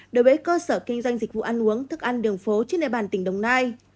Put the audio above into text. đối với cơ sở kinh doanh dịch vụ ăn uống thức ăn đường phố trên địa bàn tỉnh đồng nai